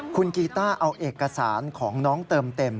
คุณกีต้าเอาเอกสารของน้องเติมเต็ม